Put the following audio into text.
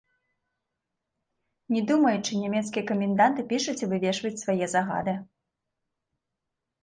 Не думаючы, нямецкія каменданты пішуць і вывешваюць свае загады.